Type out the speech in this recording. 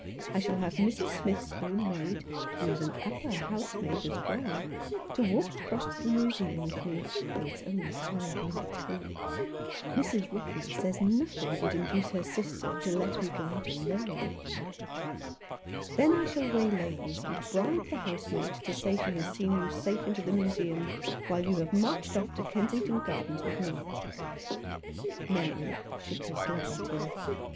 I shall have Mrs. Smith's own maid — who is upper housemaid as well — to walk across to the Museum with me, though it's only five minutes' walk. Mrs. Roffey says nothing would induce her sister to let me go out alone." " Then I shall waylay you, and bribe the house" maid to say she has seen you safe into the Museum, while you have marched off to Kensington Gardens with me." Mary shook her glove at him.